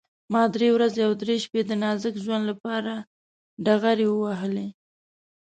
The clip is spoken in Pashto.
ما درې ورځې او درې شپې د نازک ژوند لپاره ډغرې ووهلې.